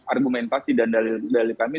argumentasi dan dalil kami